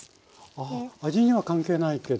ああ味には関係ないけども。